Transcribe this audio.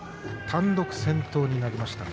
単独先頭になりました。